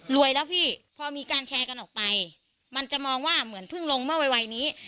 แล้วพี่พอมีการแชร์กันออกไปมันจะมองว่าเหมือนเพิ่งลงเมื่อวัยนี้